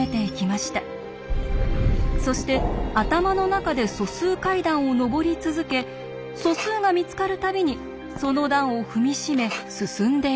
そして頭の中で素数階段を上り続け素数が見つかる度にその段を踏み締め進んでいきました。